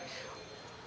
masih ada tiga tombol